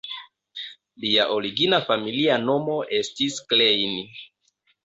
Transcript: Lia origina familia nomo estis Klein.